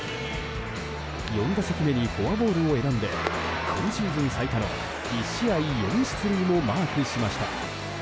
４打席目にフォアボールを選んで今シーズン最多の１試合４出塁もマークしました。